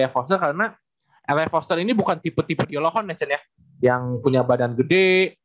seorang eli foster karena eli foster ini bukan tipe tipe diolohon yang punya badan gede